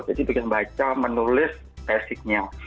jadi bikin baca menulis basic nya